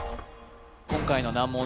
今回の難問